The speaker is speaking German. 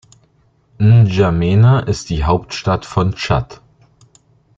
N’Djamena ist die Hauptstadt von Tschad.